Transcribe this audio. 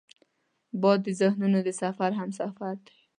باد د ذهنونو د سفر همسفر دی